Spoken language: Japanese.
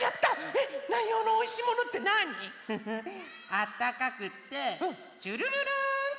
あったかくってちゅるるるんって。